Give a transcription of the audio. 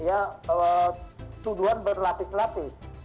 ya tuduhan berlatis latis